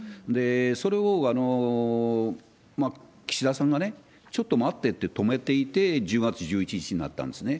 それを岸田さんがね、ちょっと待ってって止めていて、１０月１１日になったんですね。